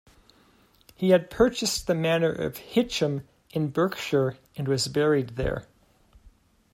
He had purchased the manor of Hitcham in Berkshire and was buried there.